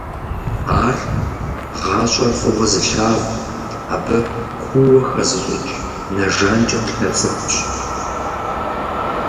Ар гъащӀэр фӀыуэ зылъагъу, абы куууэ хэзыщӀыкӀ, нэ жанкӀэ плъэ цӀыхущ.